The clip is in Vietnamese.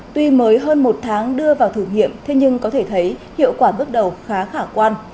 tuy mới hơn một tháng đưa vào thử nghiệm thế nhưng có thể thấy hiệu quả bước đầu khá khả quan